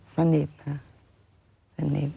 สนิทค่ะสนิท